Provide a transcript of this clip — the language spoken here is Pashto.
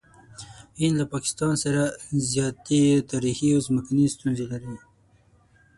هند له پاکستان سره زیاتې تاریخي او ځمکني ستونزې لري.